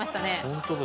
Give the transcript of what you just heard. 本当だ。